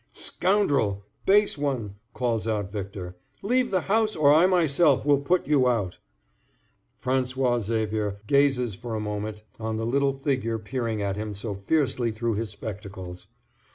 "Scoundrel! base one," calls out Victor, "leave the house, or I myself will put you out!" François Xavier gazes for a moment on the little figure peering at him so fiercely through his spectacles.